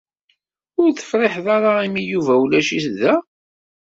Ur tefṛiḥed ara imi Yuba ulac-it da?